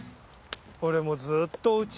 俺もずーっとおうち。